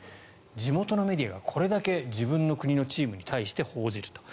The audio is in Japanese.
地元のメディアがこれだけ自分の国のチームに対して報じると。